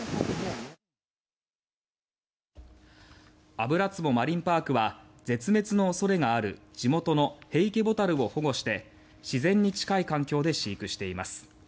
油壺マリンパークは絶滅の恐れがある地元のヘイケボタルを保護して自然に近い環境で飼育しています。